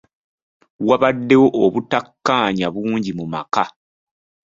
Wabaddewo obutakkaanya bungi mu maka.